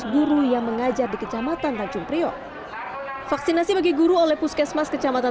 empat ribu tiga ratus guru yang mengajar di kecamatan tanjung priok vaksinasi bagi guru oleh puskesmas kecamatan